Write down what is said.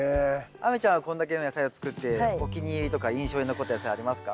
亜美ちゃんはこんだけの野菜を作ってお気に入りとか印象に残った野菜ありますか？